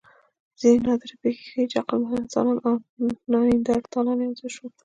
ځینې نادرې پېښې ښيي، چې عقلمن انسانان او نیاندرتالان یو ځای شول.